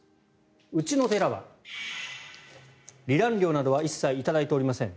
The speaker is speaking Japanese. うちの寺は離檀料などは一切頂いておりません。